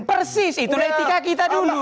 persis itu etika kita dulu